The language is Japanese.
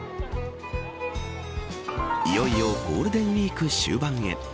いよいよゴールデンウイーク終盤へ。